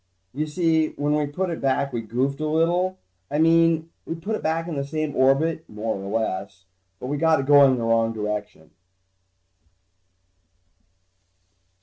You see, when we put it back, we goofed a little. I mean, we put it back in the same orbit, more or less, but we got it going in the wrong direction.